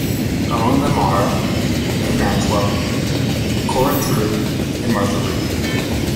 Among them are: May Maxwell, Corinne True, and Martha Root.